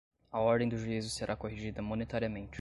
à ordem do juízo será corrigida monetariamente